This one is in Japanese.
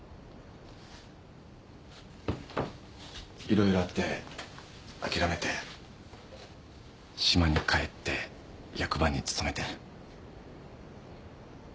いろいろあってあきらめて島に帰って役場に勤めて。